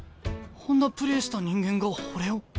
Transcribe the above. あんなプレーした人間が俺を？